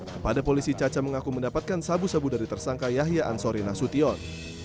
kepada polisi caca mengaku mendapatkan sabu sabu dari tersangka yahya ansori nasution